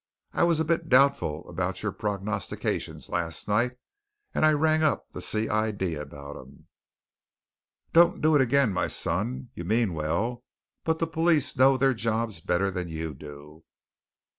I was a bit doubtful about your prognostications last night, and I rang up the C.I.D. about 'em. Don't do it again, my son! you mean well, but the police know their job better than you do.